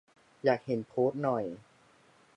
อยากเห็น โพสต์หน่อย